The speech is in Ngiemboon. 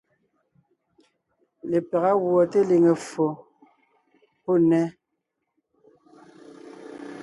Lepyága gùɔ teliŋe ffo (VIH/SIDA) pɔ́ nnέ,